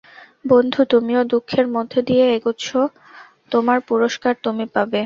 বন্ধু, তুমিও দুঃখের মধ্য দিয়ে এগোচ্ছ, তোমার পুরস্কার তুমি পাবে।